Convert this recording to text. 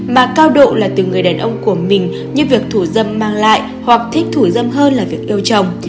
mà cao độ là từ người đàn ông của mình như việc thủ dâm mang lại hoặc thích thủ dâm hơn là việc yêu chồng